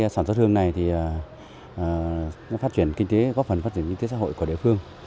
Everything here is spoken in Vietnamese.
sản xuất hương này phát triển kinh tế góp phần phát triển kinh tế xã hội của địa phương